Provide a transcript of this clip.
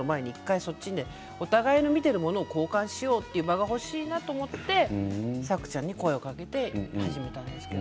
お互いに見ているものを交換しようという場が欲しいなと思ってさくちゃんに声をかけて始めたんです。